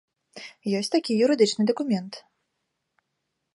Ёсць такі юрыдычны дакумент.